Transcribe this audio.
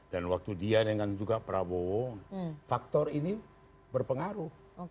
dan waktu dia dengan juga prabowo faktor ini berpengaruh